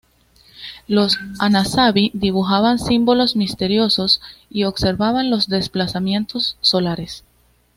Los anasazi dibujaban símbolos misteriosos y observaban los desplazamientos solares.